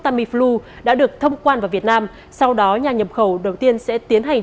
tamiflu đã được thông quan vào việt nam sau đó nhà nhập khẩu đầu tiên sẽ tiến hành